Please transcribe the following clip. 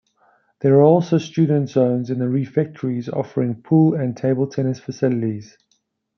There are also 'Student Zones' in the refectories offering Pool and Table Tennis facilities.